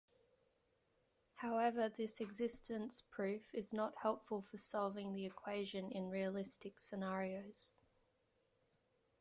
However, this existence proof is not helpful for solving the equation in realistic scenarios.